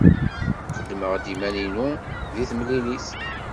Qeddmeɣ-d iman-inu deg temlilit.